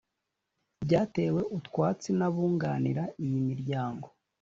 byatewe utwatsi n’abunganira iyi miryango